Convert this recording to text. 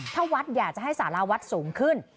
ถ้าวัดอยากจะให้สาราวัดสูงขึ้น